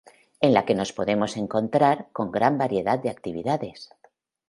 En la que nos podemos encontrar con gran variedad de actividades.